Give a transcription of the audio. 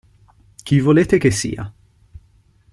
Chi volete che sia?